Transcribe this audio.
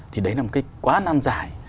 thì đấy là một cái quá năn giải